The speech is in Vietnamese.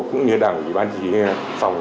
cũng như đảng ủy ban truy phòng